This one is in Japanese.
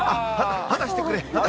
放してくれ。